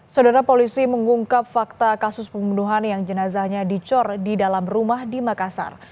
saudara polisi mengungkap fakta kasus pembunuhan yang jenazahnya dicor di dalam rumah di makassar